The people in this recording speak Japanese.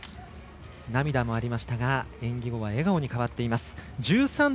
涙もありましたが演技後は笑顔に変わっています。